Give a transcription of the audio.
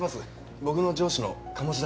僕の上司の鴨志田さん。